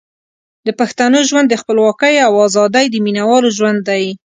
د پښتنو ژوند د خپلواکۍ او ازادۍ د مینوالو ژوند دی.